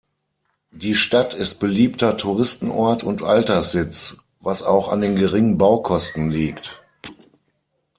Die Stadt ist beliebter Touristenort und Alterssitz, was auch an den geringen Baukosten liegt.